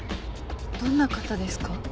どんな方ですか？